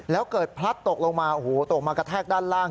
แล้วเกิดพลัดตกลงมาโอ้โหตกมากระแทกด้านล่าง